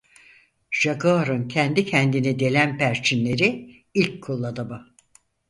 Jaguar'ın kendi kendini delen perçinleri ilk kullanımı.